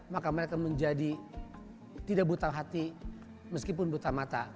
maka mereka menjadi tidak buta hati meskipun buta mata